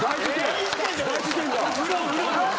大事件じゃないですか！